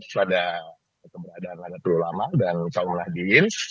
pada keberadaan nada terulama dan kaum nahdin